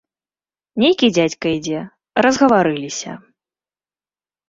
Нейкі дзядзька ідзе, разгаварыліся.